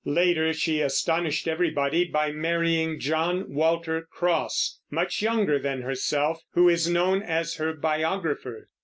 Later she astonished everybody by marrying John Walter Cross, much younger than herself, who is known as her biographer.